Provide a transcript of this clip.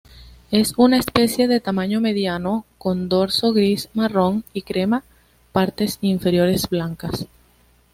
Es una especie de tamaño mediano con dorso gris-marrón y crema partes inferiores blancas.